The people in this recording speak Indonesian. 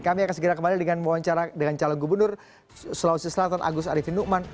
kami akan segera kembali dengan wawancara dengan calon gubernur sulawesi selatan agus ariefi nukman